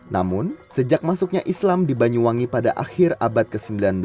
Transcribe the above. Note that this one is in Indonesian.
namun sejak masuknya islam di banyuwangi pada akhir abad ke sembilan belas